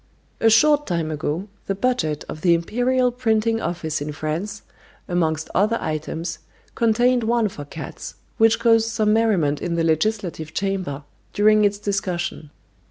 A short time ago, the budget of the Imperial Printing Office in France, amongst other items, contained one for cats, which caused some merriment in the legislative chamber during its discussion.